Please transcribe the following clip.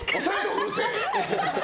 うるせえ！